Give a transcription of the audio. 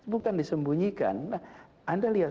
bukan disembunyikan anda lihat